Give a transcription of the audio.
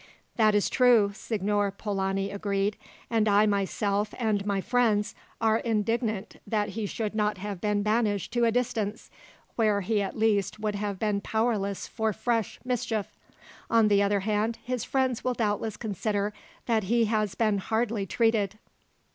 "That is true," Signor Polani agreed, "and I myself, and my friends, are indignant that he should not have been banished to a distance, where he at least would have been powerless for fresh mischief. On the other hand, his friends will doubtless consider that he has been hardly treated.